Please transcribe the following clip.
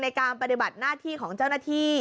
ในการปฏิบัติหน้าที่ของเจ้าหน้าที่